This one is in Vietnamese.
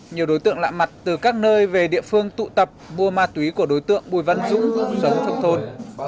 nhiều đối tượng lạ mặt từ các nơi về địa phương tụ tập mua ma túy của đối tượng bùi văn dũng sống trong thôn